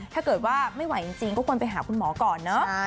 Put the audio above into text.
ถ้าเกิดว่าไม่ไหวจริงก็ควรไปหาคุณหมอก่อนเนอะ